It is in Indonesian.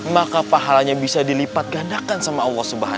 maka pahalanya bisa dilipat gandakan sama allah swt